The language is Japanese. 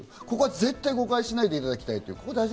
絶対誤解しないでいただきたい。